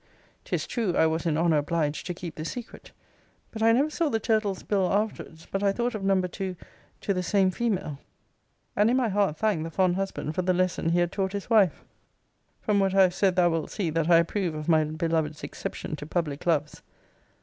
'Tis true, I was in honour obliged to keep the secret. But I never saw the turtles bill afterwards, but I thought of number two to the same female; and in my heart thanked the fond husband for the lesson he had taught his wife. From what I have said, thou wilt see, that I approve of my beloved's exception to public loves.